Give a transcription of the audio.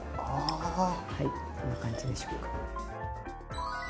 はいこんな感じでしょうか。